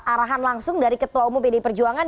arahan langsung dari ketua umum pdi perjuangan